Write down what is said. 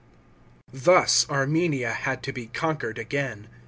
§ 12. Thus Armenia had to be conquered again.